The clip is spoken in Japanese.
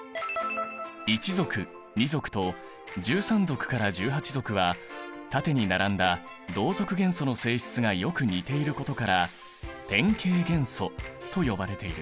１族２族と１３族から１８族は縦に並んだ同族元素の性質がよく似ていることから典型元素と呼ばれている。